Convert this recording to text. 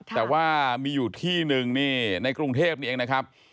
แต่ว่ามีอยู่ที่หนึ่งนี่ในกรุงเทพนี่เองนะครับ